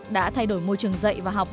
đã thay đổi môi trường dạy và học